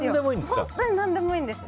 本当に何でもいいんです。